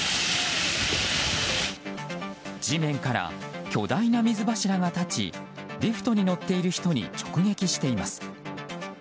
地面から巨大な水柱が立ちリフトに乗っている人に直撃しています。